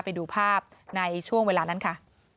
ไปดูภาพในช่วงเวลานั้นค่ะ